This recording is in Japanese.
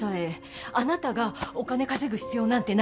あなたがお金稼ぐ必要なんてないの。